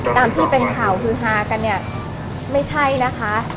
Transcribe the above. ตามที่เป็นข่าวฮือฮากันเนี่ยไม่ใช่นะคะ